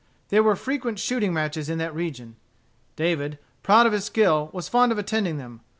There were frequent shooting matches in that region. David, proud of his skill, was fond of attending them.